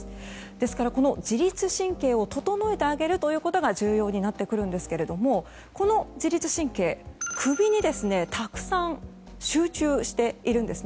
ですから、自律神経を整えてあげるということが重要になってくるんですがこの自律神経、首にたくさん集中しているんです。